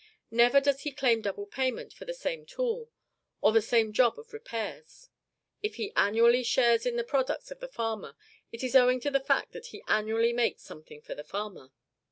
Never does he claim double payment for the same tool, or the same job of repairs. If he annually shares in the products of the farmer, it is owing to the fact that he annually makes something for the farmer.